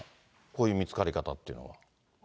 こういう見つかり方っていうのは。